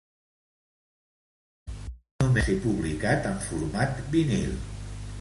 Aquest treball només va ser publicat en format vinil.